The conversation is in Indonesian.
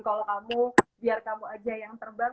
kalau kamu biar kamu aja yang terbang